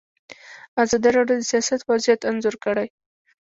ازادي راډیو د سیاست وضعیت انځور کړی.